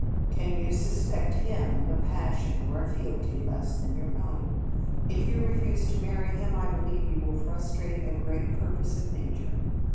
"Can you suspect him of a passion or a fealty less than your own? If you refuse to marry him, I believe you will frustrate a great purpose of Nature.